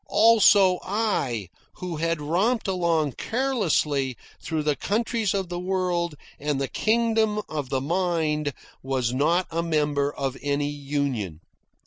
Also I, who had romped along carelessly through the countries of the world and the kingdom of the mind, was not a member of any union.